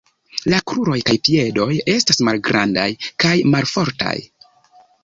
La kruroj kaj piedoj estas malgrandaj kaj malfortaj.